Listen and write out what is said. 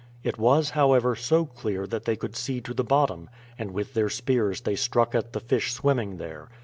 It was, however, so clear that they could see to the bottom, and with their spears they struck at the fish swimming there.